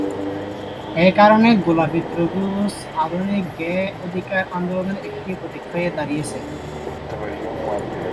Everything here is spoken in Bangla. একারণে গোলাপী ত্রিভুজ আধুনিক গে অধিকার আন্দোলনের একটি প্রতীক হয়ে দাঁড়িয়েছে।